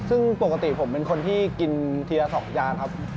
ซึ่งปกติผมเป็นคนที่กินทีละ๒จานครับ